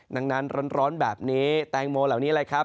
ดังนั้นร้อนแบบนี้แตงโมเหล่านี้แหละครับ